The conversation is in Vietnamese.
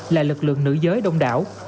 là lực lượng nữ giới đông đảo